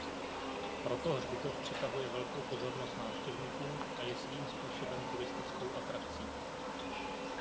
Proto hřbitov přitahuje velkou pozornost návštěvníků a je svým způsobem turistickou atrakcí.